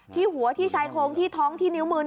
ที่หัวที่ชายโครงที่ท้องที่นิ้วมือ